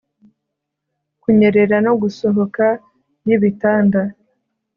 kunyerera no gusohoka yibitanda